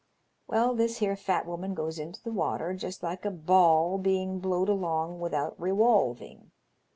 Well, this here fat woman goes into the water just like a ball being blowed along without rewolving.